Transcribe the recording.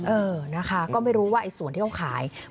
เออนะคะก็ไม่รู้ว่าไอ้ส่วนที่เขาขาย